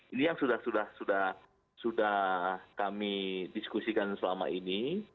ini yang sudah kami diskusikan selama ini